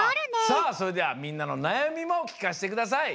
さあそれではみんなのなやみもきかせてください。